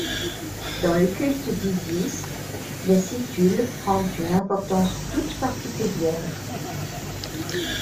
Dans le culte d'Isis, la situle prend une importance toute particulière.